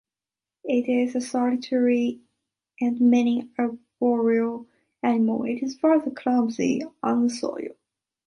It is a solitary and mainly arboreal animal; it is rather clumsy on the soil.